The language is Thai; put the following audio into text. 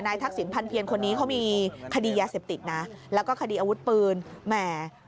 ทักษิณพันเพียรคนนี้เขามีคดียาเสพติดนะแล้วก็คดีอาวุธปืนแหม